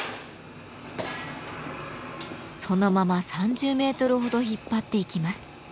そのまま３０メートルほど引っ張っていきます。